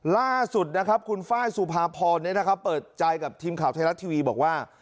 ล่าสุดนะครับคุณไฟล์สุภาพรเปิดใจกับทีมข่าวไทยรัฐทีวีบอกว่า